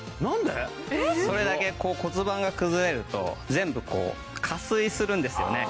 それだけ骨盤が崩れると全部こう下垂するんですよね